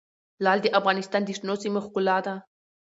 لعل د افغانستان د شنو سیمو ښکلا ده.